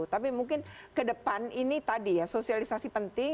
tapi mungkin ke depan ini tadi ya sosialisasi penting